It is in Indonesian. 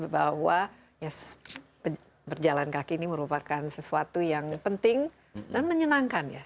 bahwa berjalan kaki ini merupakan sesuatu yang penting dan menyenangkan ya